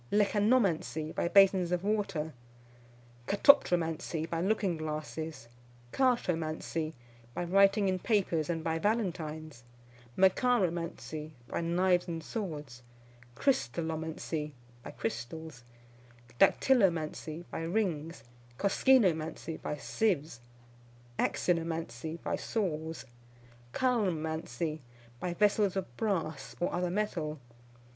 Lecanomancy, by basins of water. Katoptromancy, by looking glasses. Chartomancy, by writing in papers, and by Valentines. Macharomancy, by knives and swords. Crystallomancy, by crystals. Dactylomancy, by rings. Koskinomancy, by sieves. Axinomancy, by saws. Chalcomancy, by vessels of brass, or other metal.